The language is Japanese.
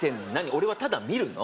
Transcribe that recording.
俺はただ見るの？